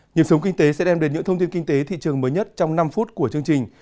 nhiệm sống kinh tế sẽ đem đến những thông tin kinh tế thị trường mới nhất trong năm phút của chương trình